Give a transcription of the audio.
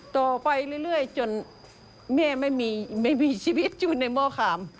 โตไปเรื่อยจนแม่ไม่มีชีวิตในผ่าน